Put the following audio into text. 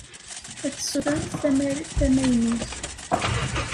Ad tessutremt tanarit tamaynut.